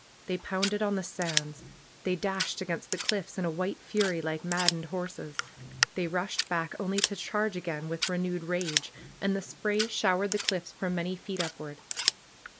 They pounded on the sands. They dashed against the cliffs in a white fury, like maddened horses. They rushed back, only to charge again with renewed rage, and the spray showered the cliffs for many feet upward.